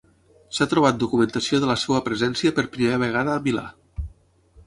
S'ha trobat documentació de la seva presència per primera vegada a Milà.